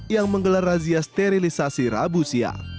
yang menggelar razia sterilisasi rabu siang